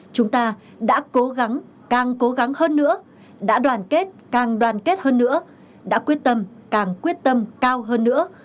chúng ta đã cố gắng càng cố gắng hơn nữa đã đoàn kết càng đoàn kết hơn nữa đã quyết tâm càng quyết tâm cao hơn nữa